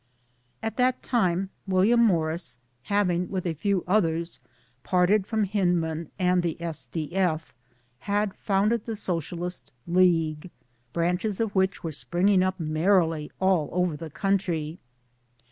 At that time, William Morris, having with 1 a few others parted from Hyndman and the S.D.F., had founded the Socialist League branches of which were springing up merrily all over the country.